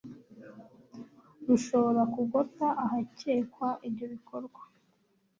rushobora kugota ahakekwa ibyo bikorwa.